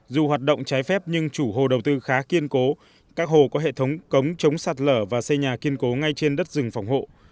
dù hoạt động trái phép nhưng chủ hồ đầu tư khá kiên cố các hồ có hệ thống cống chống sạt lở và xây nhà kiên cố ngay trên đất rừng phòng hộ